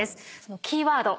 キーワード